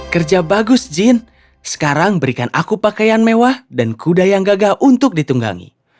kerja bagus jin sekarang berikan aku pakaian mewah dan kuda yang gagah untuk ditunggangi